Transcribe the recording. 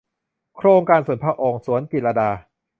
โครงการส่วนพระองค์ สวนจิตรลดา